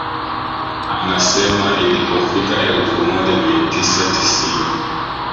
Anasema ilipofika elfu moja mia tisa tisini